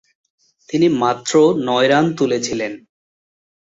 তিনি মাত্র নয় রান তুলেছিলেন।